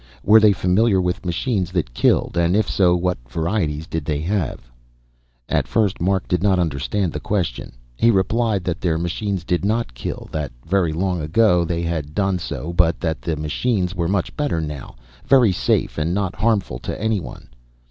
Were they familiar with machines that killed, and if so, what varieties did they have? At first Mark did not understand the question. He replied that their machines did not kill, that very long ago they had done so but that the machines were much better now, very safe and not harmful to anyone.